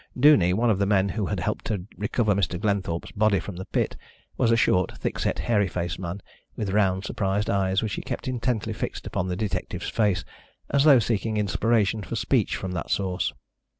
Duney, one of the men who had helped to recover Mr. Glenthorpe's body from the pit, was a short, thickset, hairy faced man, with round surprised eyes, which he kept intently fixed upon the detective's face, as though seeking inspiration for speech from that source.